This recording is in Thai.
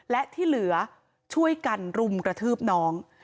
และที่เหลือช่วยกันรุมกระทืบน้อง